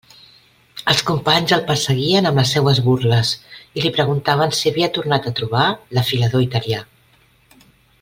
Els companys el perseguien amb les seues burles, i li preguntaven si havia tornat a trobar l'afilador italià.